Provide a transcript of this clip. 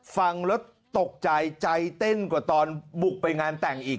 ฟังแล้วตกใจใจเต้นกว่าตอนบุกไปงานแต่งอีก